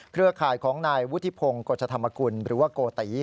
เครือข่ายของนายวุฒิพงศ์กฎชธรรมกุลหรือว่าโกติ